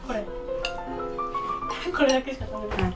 これだけしか食べれない？